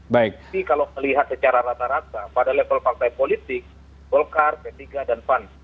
tapi kalau melihat secara rata rata pada level partai politik golkar p tiga dan pan